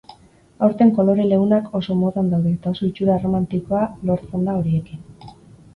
Aurten kolore leunak oso modan daude eta oso itxura erromantikoa lortzen da horiekin.